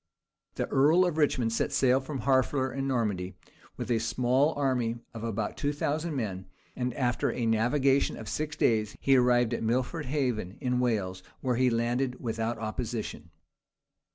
{1485.} The earl of Richmond set sail from Harfleur, in Normandy, with a small army of about two thousand men; and after a navigation of six days, he arrived at Milford Haven, in Wales, where he landed without opposition.